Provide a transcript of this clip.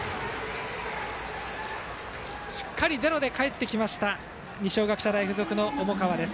しっかりゼロでかえってきました二松学舎大付属の重川です。